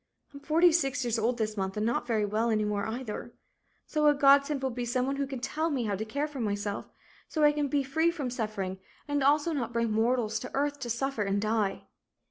I'm forty six years old this month and not very well any more, either. So a godsend will be some one who can tell me how to care for myself, so I can be free from suffering and also not bring mortals to earth to suffer and die."